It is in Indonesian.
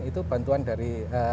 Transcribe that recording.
itu bantuan dari